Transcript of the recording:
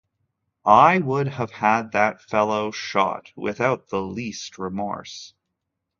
I would have had that fellow shot without the least remorse!